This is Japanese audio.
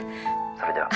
それでは。